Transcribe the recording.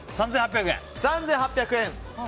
３８００円。